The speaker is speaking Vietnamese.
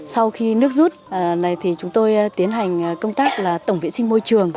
sau khi nước rút này thì chúng tôi tiến hành công tác là tổng vệ sinh môi trường